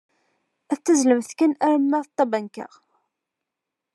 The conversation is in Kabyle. Ad tazzlemt kan arma d tabanka.